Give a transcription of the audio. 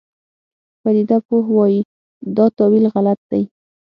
پدیده پوه وایي دا تاویل غلط دی.